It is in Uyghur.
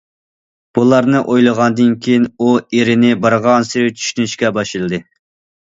بۇلارنى ئويلىغاندىن كېيىن، ئۇ ئېرىنى بارغانسېرى چۈشىنىشكە باشلىدى.